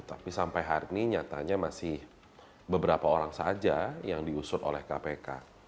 tapi sampai hari ini nyatanya masih beberapa orang saja yang diusut oleh kpk